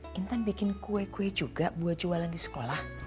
hintan bikin kue kue juga buat jualan di sekolah